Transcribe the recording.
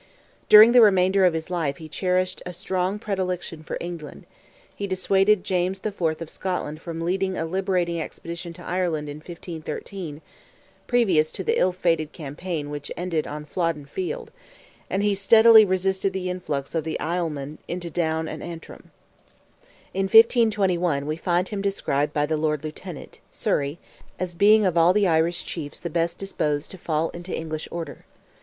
During the remainder of his life he cherished a strong predilection for England; he dissuaded James IV. of Scotland from leading a liberating expedition to Ireland in 1513—previous to the ill fated campaign which ended on Flodden field, and he steadily resisted the influx of the Islesmen into Down and Antrim. In 1521 we find him described by the Lord Lieutenant, Surrey, as being of all the Irish chiefs the best disposed "to fall into English order."